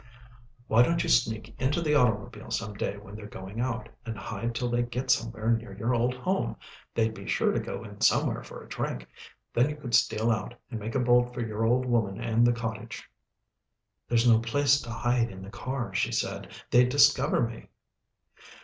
"Why don't you sneak into the automobile some day when they're going out, and hide till they get somewhere near your old home. They'd be sure to go in somewhere for a drink, then you could steal out, and make a bolt for your old woman and the cottage." "There's no place to hide in the car," she said. "They'd discover me."